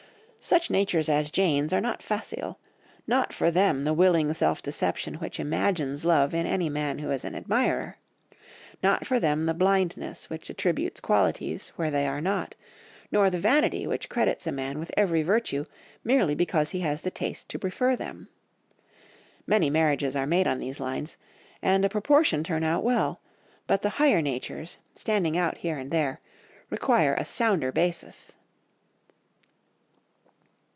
Such natures as Jane's are not facile: not for them the willing self deception which imagines love in any man who is an admirer; not for them the blindness which attributes qualities where they are not, nor the vanity which credits a man with every virtue merely because he has the taste to prefer them. Many marriages are made on these lines, and a proportion turn out well; but the higher natures, standing out here and there, require a sounder basis.